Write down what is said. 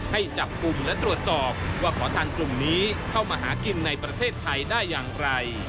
ให้จับกลุ่มและตรวจสอบว่าขอทานกลุ่มนี้เข้ามาหากินในประเทศไทยได้อย่างไร